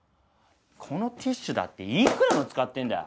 このティッシュだっていくらの使ってんだよ！？